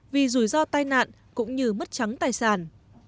vì rủi ro tai nạn cũng như mất trắng tài sản